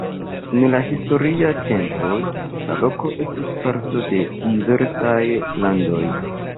En la historiaj tempoj la loko estis parto de diversaj landoj.